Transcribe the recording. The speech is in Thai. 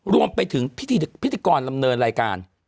รวมไปถึงพิธีกรลำเนินรายการ